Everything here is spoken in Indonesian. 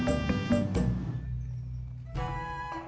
terima kasih pak